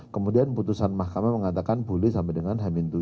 kemudian putusan mahkamah mengatakan boleh sampai dengan hamin tujuh